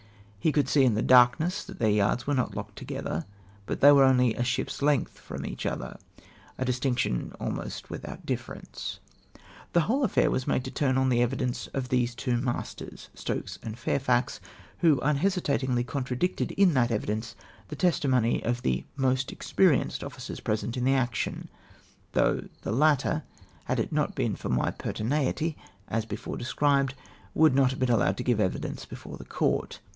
He could see in the darkness that their yards were not locked together, but they were only " a ship's length from each other "— a distinction almost without a difference. The whole affair was made to turn on the evidence of these two masters, Stokes and Fairflix, who unhesitat ingly contradicted in that evidence the testimony of the most experienced officers present in the action, though the latter, had it not been for my pertinacity, as before described, icoidd not have been allowed to give evidence before the Court.